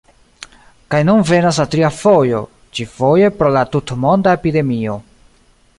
Kaj nun venas la tria fojo, ĉi-foje pro la tutmonda epidemio.